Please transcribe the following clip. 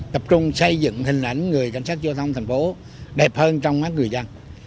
tập trung xây dựng hình ảnh người cảnh sát giao thông thành phố đẹp hơn trong mắt người dân